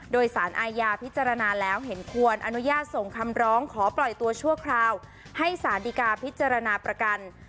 โดยสารอาญาพิจารณาแล้วเห็นควรอนุญาตส่งคำร้องขอปล่อยตัวชั่วคราวให้สารดีกาพิจารณาประกัน